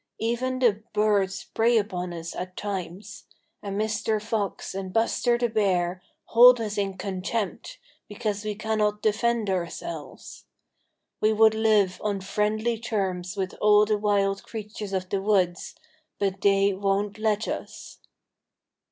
Even the birds prey upon us at times, and Mr. Fox and Buster the Bear hold us in contempt because we cannot defend ourselves. We would live on friendly terms with all the wild creatures of the woods, but they won't let us."